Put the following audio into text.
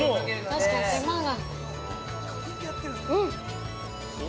◆確かに手間が。